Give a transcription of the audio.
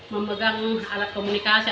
memegang alat komunikasi